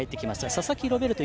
佐々木ロベルト